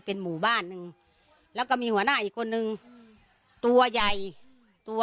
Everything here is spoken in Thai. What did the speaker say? เป็นหมู่บ้านหนึ่งแล้วก็มีหัวหน้าอีกคนนึงตัวใหญ่ตัว